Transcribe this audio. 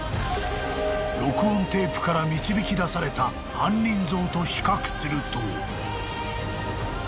［録音テープから導き出された犯人像と比較すると］